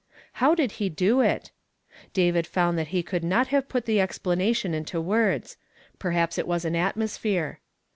How did he do it? David found that he could not have put the explanation into words ; perhaps it was an atmosphere.